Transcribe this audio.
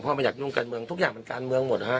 เพราะว่าไม่อยากยุ่งกันเมืองทุกอย่างมันการเมืองหมดฮะ